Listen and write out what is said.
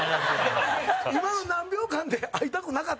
今の何秒間で会いたくなかった。